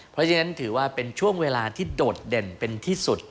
เพราะฉะนั้นถือว่าเป็นช่วงเวลาที่โดดเด่นเป็นที่สุด